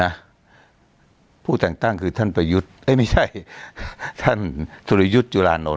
นะครับผู้ต่างคือท่านประยุทธ์เอ้ยไม่ใช่ท่านสุริยุทธ์จุฬานาน